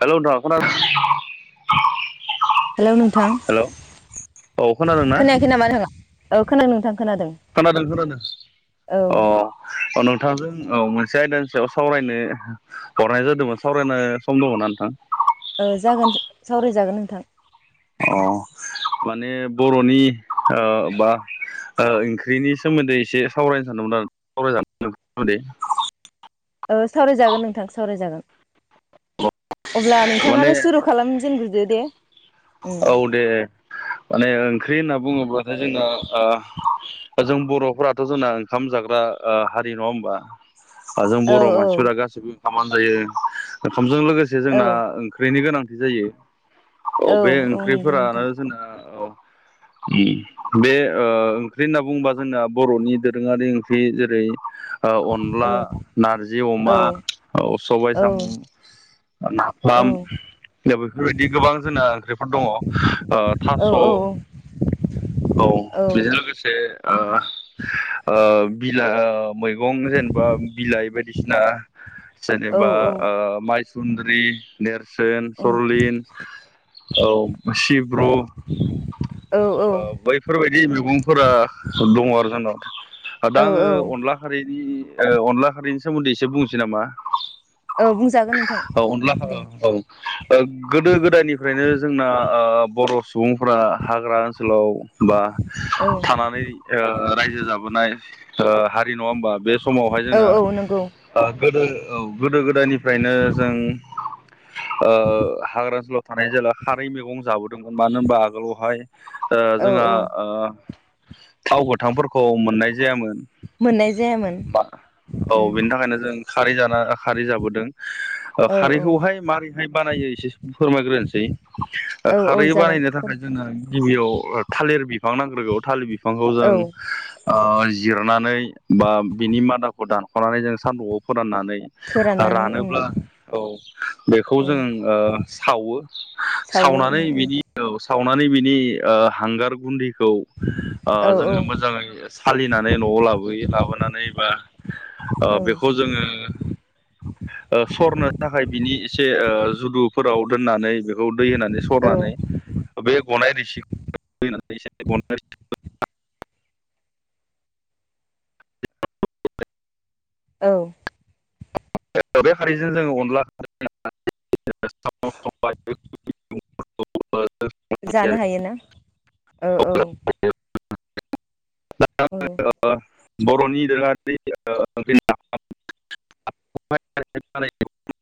Hello नोंथां खोना [unintelligible] hello नोंथां हेलौ औ खोनादोंना? फै नामा नोंथाङा औ खोनादों नोंथां खोनादों खोनादों खोनादों औ अ औ नोंथांजों औ मोनसे आयदानि सायाव सावरायनो हरनाय जादोंमोन सावरायनो सम दङना नोंथां। औ जागोन सावरायजागोन नोंथां अ माने बर'नि बा ओंख्रिनि सोमोन्दै एसे सावरायनो सानदोंमोन आरो [unintelligible] सोमोन्दै सावरायजागोन नोंथां सावरायजागोन अब्ला माने नोंथाङानो सुरु खालामजेनग्रोदो दे उम औ दे माने ओंख्रि होनना बुङोब्लाथाय जोंना दा जों बर'फोराथ' जोंना ओंखाम जाग्रा हारि नङा होमबा? जों औ बर' औ मानसिफोरा गासिबो ओंखामानो जायो ओंखामजों लोगोसे औ जोंना ओंख्रिनि गोनांथि जायो औ बे औ नंगौ ओंख्रिफोरानो नोंथां जोंना बे ओंख्रि होनना बुंङोबा जोंना बर'नि दोरोङारि ओंख्रि जेरै औ अनला नारजि औ अमा सबाय औ साम' नाफाम दा बेफोरबायदि गोबां जोंना ओंख्रि दङ थास' औ [unintelligible] लोगोसे बिलाइ मैगं जेनेबा बिलाइ बायदिसिना जेनेबा माइसुन्द्रि नेरसोन उम सरलिन औ सिब्रु [inaudible] बैफोरबायदि मैगंफोरा दङ आरो जोंनाव औ दा आङो अनला खारैनि अनला खारैनि सोमोन्दै एसे बुंनोसै नामा? औ बुंजागोन नोंथां औ अनला दे औ गोदो गोदायनिफ्रायनो जोंना बर' सुबुंफोरा हाग्रा ओनसोलाव बा औ थानानै रायजो जाबोनाय हारि नङा होमबा बे समावहाय औ जोंना औ नंगौ गोदो औ गोदो गोदायनिफ्रायनो जों हाग्रा ओनसोलाव थानाय जेला खारै मैगं जाबोदोंमोन मानो होनबा आगोलावहाय औ जोंहा औ थाव गोथांफोरखौ मोननाय जायामोन। मोननाय जायामोन बा औ उम बेनि थाखायनो जों खारै जाना खारै जाबोदों औ औ खारैखौहाय माबारैहाय बानायो एसे फोरमायग्रोनोसै औ औ खारै जागोन बानायनो थाखाय जोंना गिबियाव थालिर बिफां नांग्रोगौ थालिर बिफांखौ जों औ जिरनानै बा बिनि मादाखौ दानख'नानै जों सान्दुंआव फोराननानै फोराननानै रानोब्ला औ बेखौ औ जों सावो सावो उम सावनानै उम बिनि सावनानै बिनि हांगार गुन्दैखौ औ औ जोङो मोजाङै सालिनानै न'आव लाबोयो लाबोनानै बा बेखौ जोङो सरनो थाखाय बिनि एसे जुदुफोराव दोननानै औ दै होनानै औ सरनानै बे गनाय रोसि [unintelligible] [inaudible] औ बे खारैजों जोङो अनला [unintelligible] जानो हायोना औ औ औ [unintelligible] ओ बर'नि दोरङारि ओं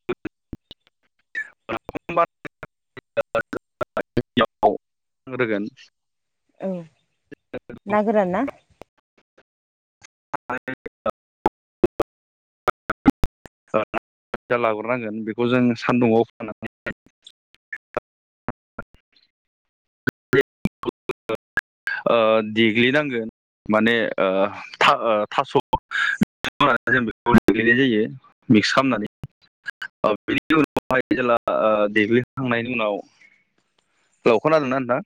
[unintelligible] [unintelligible] [unintelligible] [unintelligible] औ ना गोरान ना? आरो [unintelligible] [unintelligible] लाग्रोनांगोन बेखौ जों सान्दुङाव फोराननानै [unintelligible] ओ देग्लिनांगो। माने ओ थास' [unintelligible] होनानै जों बेखौ देग्लानाय जायो। मिक्स खामनानै। ओ बेनि उनावहाय जेला देग्लिखांनायनि उनाव [unintelligible] लौ खोनादोंना नोंथां?